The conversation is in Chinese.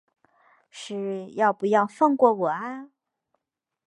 是要不要放过我啊